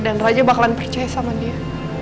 dan raja bakalan percaya sama dia